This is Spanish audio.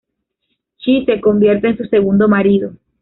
Chi se convierte en su segundo marido.